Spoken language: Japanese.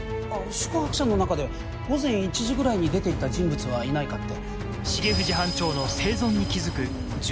宿泊者の中で午前１時ぐらいに出て行った人物はいないかって。